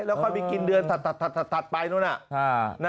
แล้วค่อยไปกินเดือนถัดไปนู่นน่ะ